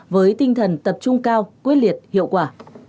với tinh thần tập trung cao quyết liệt hiệu quả